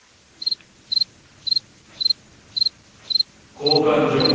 交換条件